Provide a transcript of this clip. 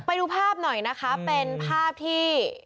ไปดูภาพหน่อยนะคะเป็นภาพที่